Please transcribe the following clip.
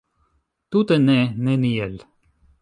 Tute ne, neniel.